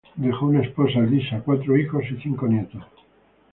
Dejó una esposa, Lisa, cuatro hijos y cinco nietos.